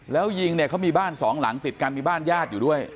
แล้วยิงเนี่ยเขามีบ้านสองหลังติดกันมีบ้านญาติอยู่ด้วย